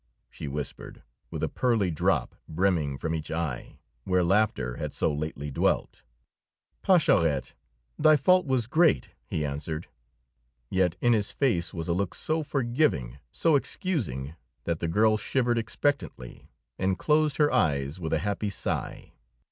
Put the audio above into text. she whispered, with a pearly drop brimming from each eye, where laughter had so lately dwelt. "Pascherette, thy fault was great," he answered, yet in his face was a look so forgiving, so excusing, that the girl shivered expectantly and closed her eyes with a happy sigh.